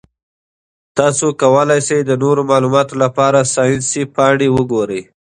تاسو کولی شئ د نورو معلوماتو لپاره ساینسي پاڼې وګورئ.